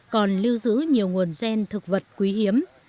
còn lưu giữ nhiều nguồn gen thực vật quý hiếm